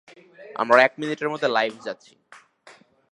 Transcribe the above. আমরা এক মিনিটের মধ্যে লাইভ যাচ্ছি।